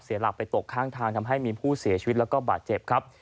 หลักไปตกข้างทางทำให้มีผู้เสียชีวิตแล้วก็บาดเจ็บครับ